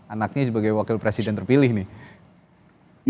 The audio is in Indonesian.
anaknya sebagai wakil presiden terpilih nih